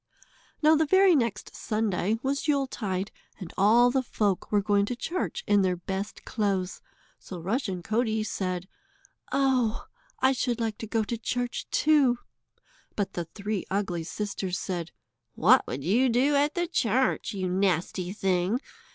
Now the very next Sunday was Yuletide, and all the folk were going to church in their best clothes, so Rushen Coatie said: "Oh! I should like to go to church, too," but the three ugly sisters said: "What would you do at the church, you nasty thing?